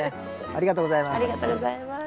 ありがとうございます。